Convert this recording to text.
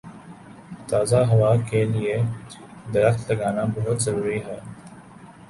تازہ ہوا کے لیے درخت لگانا بہت ضروری ہے